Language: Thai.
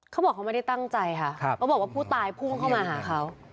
เขาบอกเขาไม่ได้ตั้งใจค่ะเขาบอกว่าผู้ตายพุ่งเข้ามาหาเขา